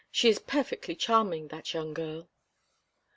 She is perfectly charming, that young girl."